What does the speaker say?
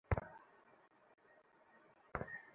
আমি হারবো না।